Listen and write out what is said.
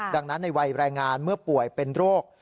ดังนั้นในวัยแรงงานเมื่อป่วยเป็นโรค